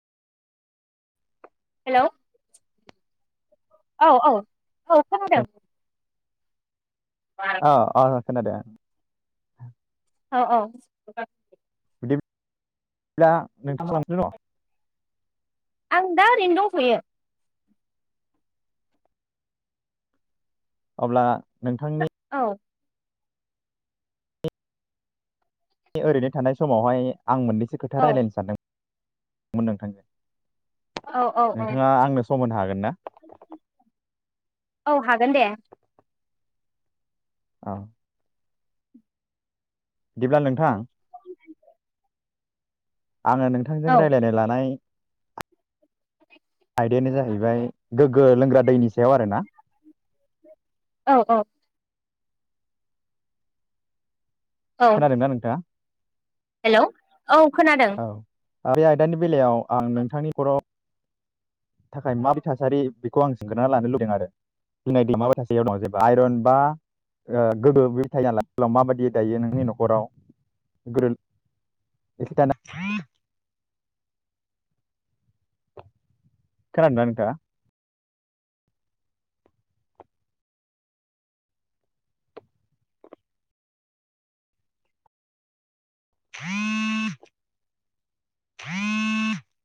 हेल' औ औ । औ खोनादों । औ [unintelligible] खोनादों? अ अ [unintelligible] ब्ला नोंथां [unintelligible] न आं दा ओरैनो दंथयो । अब्ला नोंथांनि औ बे ओरैनो थानाय समावहाय आं मोननैसो खोथा औ रायलायनो सानदों । मोनदां [unintelligible] औ औ औ सम होननो हागोन ना औ हागोन दे । औ बिदिब्ला नोंथां आंङो नोंथांजों औ रायज्लायनो लानाय आयदायानो जाहैबाय गोग्गो लोंग्रा दैनि सायाव आरोना । औ औ औ खोनादोंना नोंथांङा? हेलौ औ खोनादों । औ बे आयदानि बेलायाव आं नोंथांनि नखराव थाखाय माबायदि थासारि बेखौ आं सोंग्रोना लानो लुबैदों आरो बिनायदि माबायदि थासारियाव दं जेबो आइरन बा गोग्गो बे [unintelligible] माबायदि दायो नोंनि नखराव गोदो [unintelligible] खोनादों ना नोंथाङा [unintelligible]